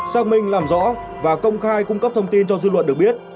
xác minh làm rõ và công khai cung cấp thông tin cho dư luận được biết